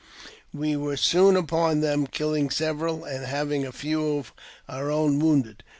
We were soon upon them, killing several, and having a few of our own wounded.